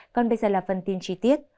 còn bây giờ là phần tin trí tiết